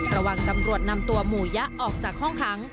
ระหว่างตำรวจนำตัวหมู่ยะออกจากห้องขัง